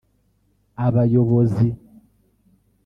Abayobozi